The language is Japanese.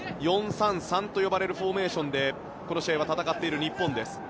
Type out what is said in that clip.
４−３−３と呼ばれるフォーメーションでこの試合、戦っている日本です。